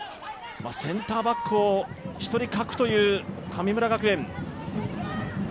センターバックを一人欠くという神村学園。